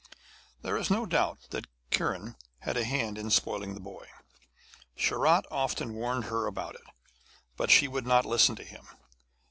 There is no doubt that Kiran had a hand in spoiling the boy. Sharat often warned her about it, but she would not listen to him.